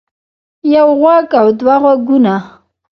يو غوږ او دوه غوږونه